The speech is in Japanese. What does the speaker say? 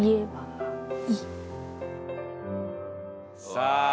さあ！